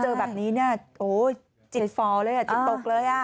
เจอแบบนี้เนี่ยโอ้จิตฟอเลยอ่ะจิตตกเลยอ่ะ